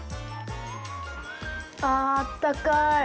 あ、あったかい。